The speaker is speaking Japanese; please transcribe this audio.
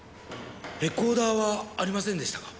レコーダーはありませんでしたか？